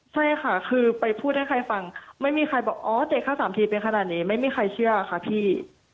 ใช่ค่ะคือไปพูดให้ใครฟังไม่มีใครบอกอ๋อเด็กเข้า๓ทีเป็นขนาดนี้ไม่มีใครเชื่อค่ะพี่